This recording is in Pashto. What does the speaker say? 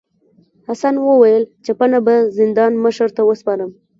حسن وویل چپنه به زندان مشر ته وسپارم.